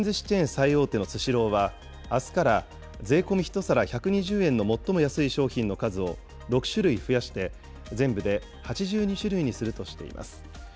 最大手のスシローは、あすから、税込み１皿１２０円の最も安い商品の数を６種類増やして、全部で８２種類にするとしています。